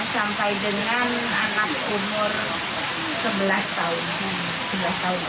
sampai dengan anak umur sebelas tahun